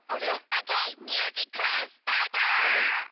オーケーミュージックスタート！